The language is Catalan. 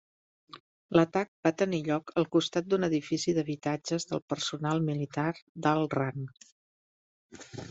L'atac va tenir lloc al costat d'un edifici d'habitatges del personal militar d'alt rang.